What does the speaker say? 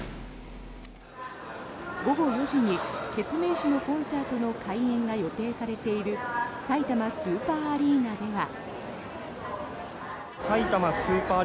午後４時にケツメイシのコンサートの開演が予定されているさいたまスーパーアリーナでは。